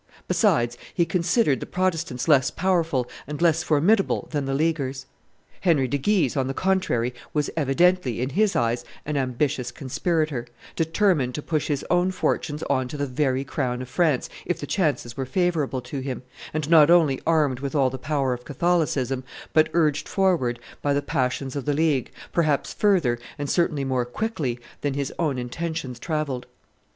Besides, he considered the Protestants less powerful and less formidable than the Leaguers. Henry de Guise, on the contrary, was evidently, in his eyes, an ambitious conspirator, determined to push his own fortunes on to the very crown of France if the chances were favorable to him, and not only armed with all the power of Catholicism, but urged forward by the passions of the League, perhaps further and certainly more quickly than his own intentions travelled.